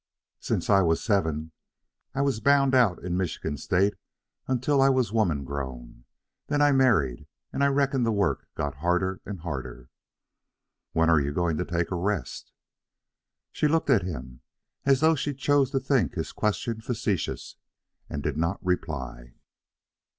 "Sense I was seven. I was bound out in Michigan state until I was woman grown. Then I married, and I reckon the work got harder and harder." "When are you going to take a rest?" She looked at him, as though she chose to think his question facetious, and did not reply.